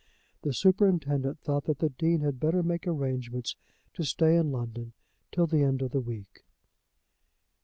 The superintendent thought that the Dean had better make arrangements to stay in London till the end of the week.